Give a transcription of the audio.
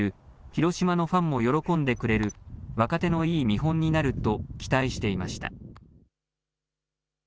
広島のファンも喜んでくれる、若手のいい見本になると期待していました。